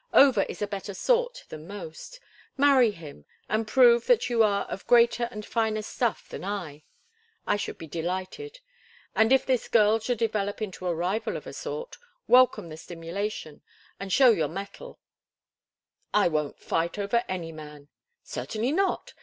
Over is a better sort than most. Marry him and prove that you are of greater and finer stuff than I. I should be delighted. And if this girl should develop into a rival of a sort, welcome the stimulation, and show your mettle—" "I won't fight over any man!" "Certainly not.